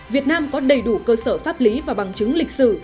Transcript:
việt nam có đầy đủ cơ sở pháp lý và bằng chứng lịch sử